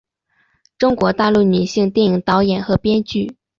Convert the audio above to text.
中国大陆女性电影导演和编剧。